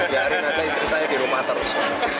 ya hari nanti istri saya di rumah terus